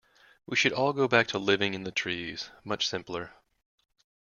We should all go back to living in the trees, much simpler.